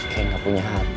kayak gak punya hati